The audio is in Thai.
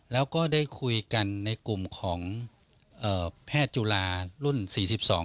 แล้วก็ได้คุยกันในกลุ่มของเอ่อแพทย์จุฬารุ่นสี่สิบสอง